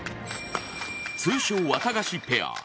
通称ワタガシペア。